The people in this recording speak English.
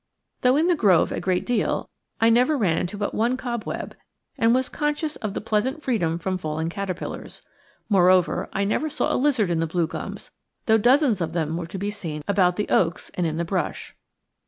Though in the grove a great deal, I never ran into but one cobweb, and was conscious of the pleasant freedom from falling caterpillars. Moreover, I never saw a lizard in the blue gums, though dozens of them were to be seen about the oaks and in the brush.